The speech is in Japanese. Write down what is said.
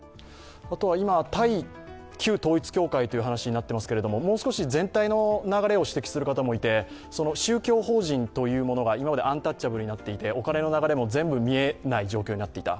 今、対旧統一教会という話になっていますけれども、もう少し全体の流れを指摘する方もいて、宗教法人というものが今までアンタッチャブルになっていて、お金の流れも全部見えない状況になっていた。